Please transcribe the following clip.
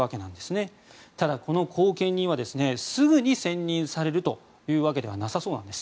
ただ、この後見人はすぐに選任されるというわけではなさそうなんです。